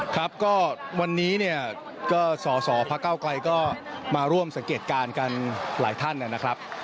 ครับก็วันนี้เนี่ยก็สอสอพระเก้าไกลก็มาร่วมสังเกตการณ์กันหลายท่านนะครับ